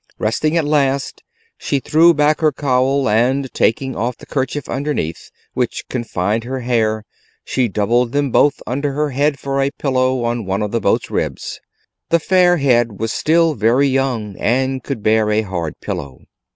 Resting at last, she threw back her cowl, and, taking off the kerchief underneath, which confined her hair, she doubled them both under her head for a pillow on one of the boat's ribs. The fair head was still very young and could bear a hard pillow.